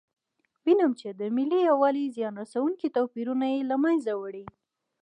وینم چې د ملي یووالي زیان رسونکي توپیرونه یې له منځه وړي.